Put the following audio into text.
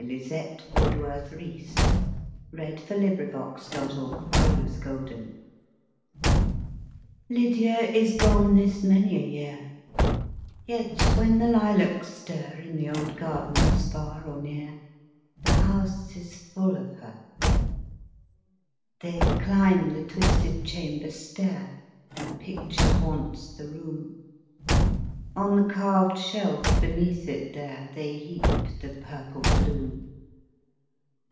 Lizette Woodworth Reese Lydia is gone this many a year LYDIA is gone this many a year, Yet when the lilacs stir, In the old gardens far or near, The house is full of her. They climb the twisted chamber stair; Her picture haunts the room; On the carved shelf beneath it there, They heap the purple bloom.